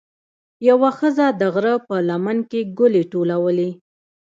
یوه ښځه د غره په لمن کې ګلې ټولولې.